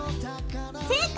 正解！